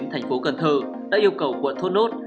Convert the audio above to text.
thành phố cần thơ đã yêu cầu quận thốt nốt